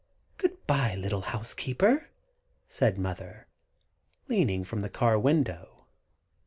Good bye, little Housekeeper!" said Mother, leaning from the car window.